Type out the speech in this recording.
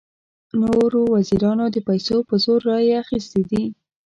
نورو وزیرانو د پیسو په زور رایې اخیستې دي.